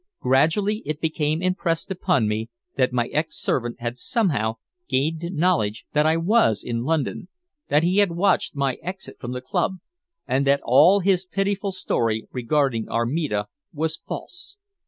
Gradually it became impressed upon me that my ex servant had somehow gained knowledge that I was in London, that he had watched my exit from the club, and that all his pitiful story regarding Armida was false.